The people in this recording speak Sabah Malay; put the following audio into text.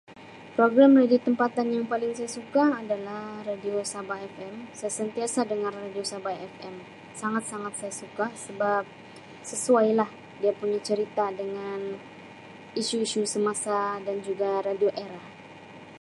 Program radio tempatan yang paling saya suka adalah radio Sabah FM. Saya sentiasa dengar radio Sabah FM. Sangat-sangat saya suka sebab sesuai lah dia punya cerita dengan isu-isu semasa dan juga radio Era.